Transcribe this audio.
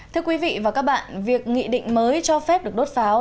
thưa quý vị và các bạn việc nghị định mới cho phép được đốt pháo